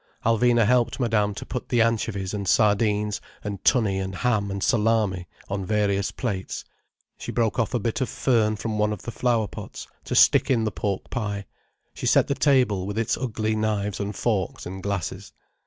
Alvina helped Madame to put the anchovies and sardines and tunny and ham and salami on various plates, she broke off a bit of fern from one of the flower pots, to stick in the pork pie, she set the table with its ugly knives and forks and glasses.